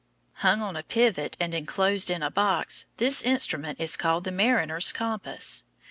Hung on a pivot and inclosed in a box, this instrument is called the mariners' compass.